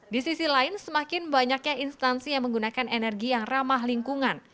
di sisi lain semakin banyaknya instansi yang menggunakan energi yang ramah lingkungan